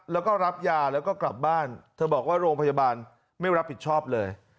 แล้วก็รับยาแล้วก็กลับบ้านเธอบอกว่าโรงพยาบาลไม่รับผิดชอบเลย